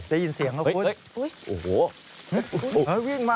ได้ยินเสียงแล้วคุณ